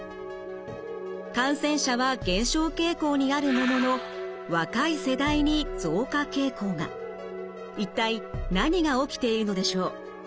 感染者は減少傾向にあるものの一体何が起きているのでしょう？